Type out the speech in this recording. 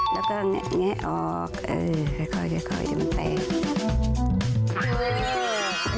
แล้วก็แงะออกเออค่อยให้มันแตก